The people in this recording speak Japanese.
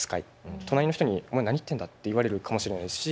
隣の人に「お前何言ってんだ？」って言われるかもしれないですし